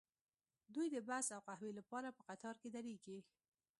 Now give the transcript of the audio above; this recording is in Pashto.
دوی د بس او قهوې لپاره په قطار کې دریږي